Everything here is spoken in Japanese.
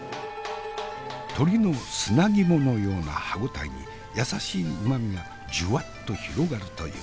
鳥の砂肝のような歯応えに優しいうまみがじゅわっと広がるという。